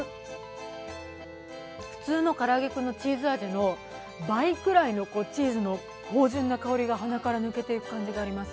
普通のからあげクンのチーズ味の倍ぐらいのチーズの芳じゅんな香りが鼻から抜けていく感じがします。